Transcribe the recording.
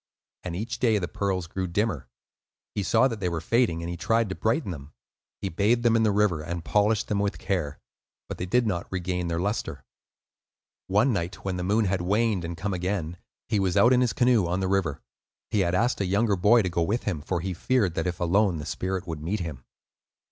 And each day the pearls grew dimmer. He saw that they were fading, and he tried to brighten them. He bathed them in the river and polished them with care, but they did not regain their lustre. One night when the moon had waned and come again, he was out in his canoe on the river. He had asked a younger boy to go with him, for he feared that, if alone, the spirit would meet him.